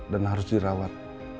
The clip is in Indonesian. dan harus dirawat